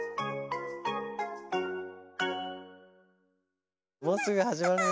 「次ポッポ！」「」「」「」「」「」「」もうすぐはじまるね。